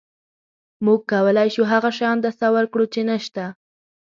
موږ کولی شو هغه شیان تصور کړو، چې نهشته.